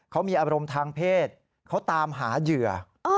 เขามีอารมณ์ทางเพศเขาตามหาเหยื่อ